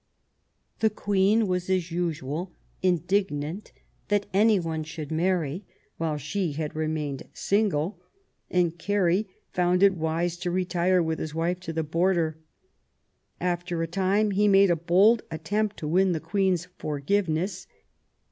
The Queen was, as usual, indignant that any one should marry, while she had remained single, and Carey found it wise to retire with his wife to the border. After a time he made a bold attempt to win the Queen's forgiveness.